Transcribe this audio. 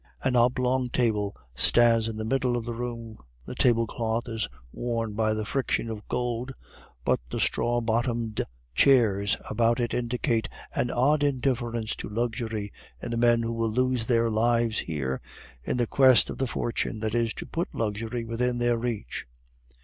An oblong table stands in the middle of the room, the tablecloth is worn by the friction of gold, but the straw bottomed chairs about it indicate an odd indifference to luxury in the men who will lose their lives here in the quest of the fortune that is to put luxury within their reach.